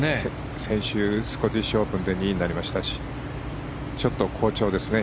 先週、スコティッシュオープンで２位になりましたしちょっと好調ですね。